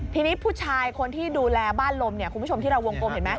ทีนี้ผู้ชายคนที่ดูแลบ้านลมเนี่ยคุณผู้ชมที่เราวงกลมเห็นไหม